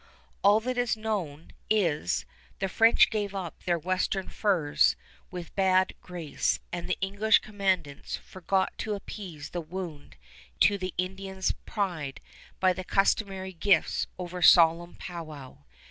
All that is known is the French gave up their western furs with bad grace, and the English commandants forgot to appease the wound to the Indians' pride by the customary gifts over solemn powwow.